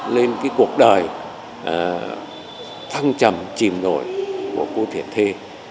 lên cái cuộc đời thăng trầm chìm nổi của cô thiền thê